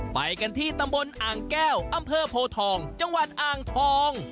ไปกันที่ตำบลอ่างแก้วอำเภอโพทองจังหวัดอ่างทอง